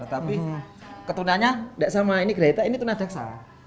tetapi ketunanya tidak sama ini kereta ini tunadaksa